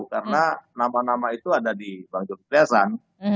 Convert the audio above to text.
karena nama nama itu ada di bang zulkifli hasan